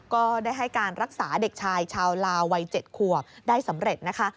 ก็ได้ให้การรักษาเด็กชายชาวลาววัย๗ขวบได้สำเร็จนะคะ